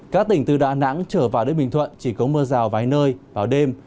các tỉnh từ đà nẵng trở vào đến bình thuận chỉ có mưa rào vài nơi vào đêm